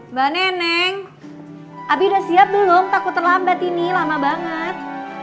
mbak neneng abi udah siap belum takut terlambat ini lama banget